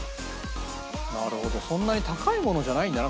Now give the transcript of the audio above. なるほどそんなに高いものじゃないんだな。